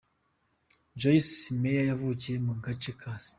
Joyce Meyer yavukiye mu gace ka St.